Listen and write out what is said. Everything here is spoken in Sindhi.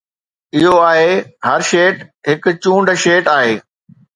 اهو آهي، هر شيٽ هڪ چونڊ شيٽ آهي